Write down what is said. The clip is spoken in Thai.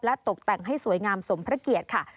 ตกแต่งให้สวยงามสมพระเกียรติค่ะ